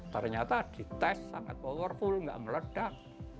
ternyata dites sangat powerful nggak meledak